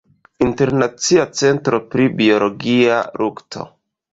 Internacia Centro pri Biologia lukto.